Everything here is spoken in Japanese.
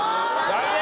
残念。